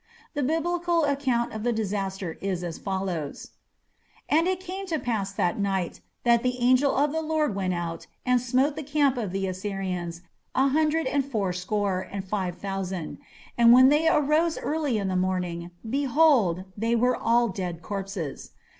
The Biblical account of the disaster is as follows: And it came to pass that night, that the angel of the Lord went out, and smote the camp of the Assyrians an hundred and four score and five thousand: and when they arose early in the morning, behold, they were all dead corpses.